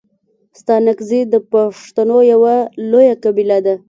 ستانگزي د پښتنو یو لويه قبیله ده.